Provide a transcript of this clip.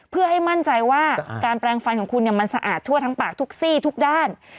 เพื่อให้มั่นใจว่าการแปลงฟันของคุณมันสะอาดทั่วทั้งปากทุกซี่ทุกด้าน